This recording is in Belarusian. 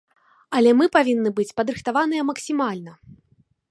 Але мы павінны быць падрыхтаваныя максімальна.